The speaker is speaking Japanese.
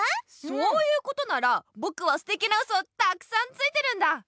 そういうことならぼくはすてきなウソをたくさんついてるんだ！